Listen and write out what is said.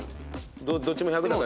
どっちも１００だから。